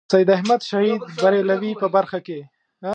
د سید احمد شهید برېلوي په برخه کې.